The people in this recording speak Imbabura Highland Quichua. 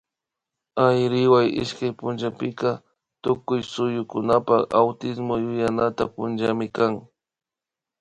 Ayriwa ishkay punllapika tukuy suyukunapak Autismo yuyanata punllami kan